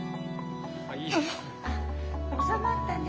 あおさまったね！